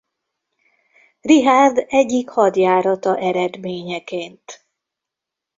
Richárd egyik hadjárata eredményeként.